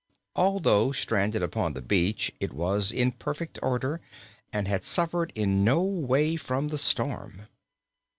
Although stranded upon the beach, it was in perfect order and had suffered in no way from the storm.